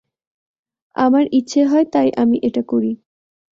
আমার ইচ্ছে হয় তাই আমি এটা করি।